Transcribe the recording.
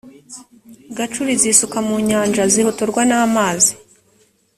gacuri zisuka mu nyanja zihotorwa n amazi